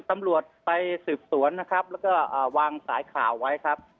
ตำรวจไปสืบสวนนะครับแล้วก็วางสายข่าวไว้ครับ